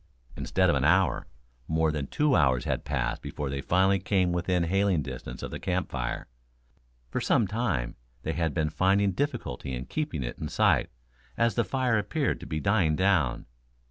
Instead of an hour, more than two hours had passed before they finally came within hailing distance of the camp fire. For some time, they had been finding difficulty in keeping it in sight, as the fire appeared to be dying down.